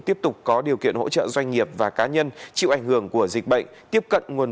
tiếp tục có điều kiện hỗ trợ doanh nghiệp và cá nhân chịu ảnh hưởng của dịch bệnh tiếp cận nguồn